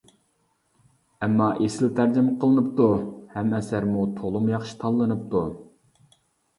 ئەمما ئېسىل تەرجىمە قىلىنىپتۇ، ھەم ئەسەرمۇ تولىمۇ ياخشى تاللىنىپتۇ.